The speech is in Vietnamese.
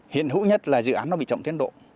hiện hữu nhất là dự án nó bị chậm tiến độ